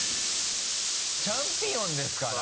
チャンピオンですから。